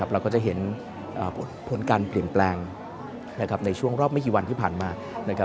เราก็จะเห็นผลการเปลี่ยนแปลงในช่วงรอบไม่กี่วันที่ผ่านมา